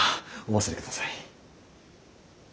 お忘れください。